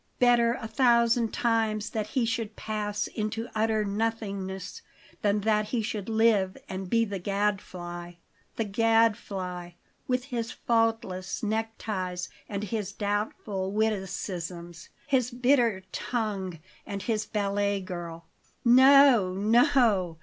Better a thousand times that he should pass into utter nothingness than that he should live and be the Gadfly the Gadfly, with his faultless neckties and his doubtful witticisms, his bitter tongue and his ballet girl! No, no!